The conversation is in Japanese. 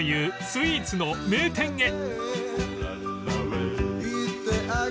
スイーツの名店へ］